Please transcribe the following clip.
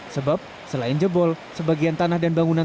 sebab selain jebol sebagian tanah dan bangunan